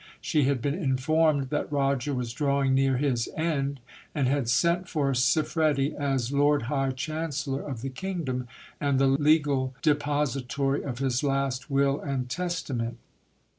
She had been informed that Roger was drawing near his end, and had sent for Siffredi as lord high chancellor of the kingdom, and the legal depository of his last will and testament.